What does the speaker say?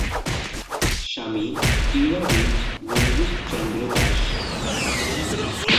স্বামী ক্রীড়াবিদ রঞ্জিত চন্দ্র দাস।